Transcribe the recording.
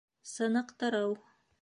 Сыныҡтырыу